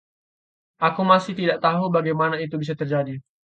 Aku masih tidak tahu bagaimana itu bisa terjadi.